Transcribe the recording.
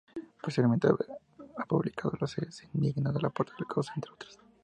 Posteriormente, ha publicado las series "Índigo", "La puerta del caos" entre otras.